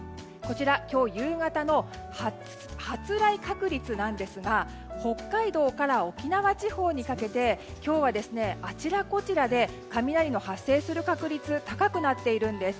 今日夕方の発雷確率ですが北海道から沖縄地方にかけて今日はあちらこちらで雷の発生する確率が高くなっているんです。